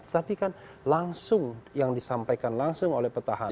tapi kan langsung yang disampaikan langsung oleh petahana